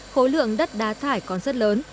khối lượng đất đá thải còn rất lớn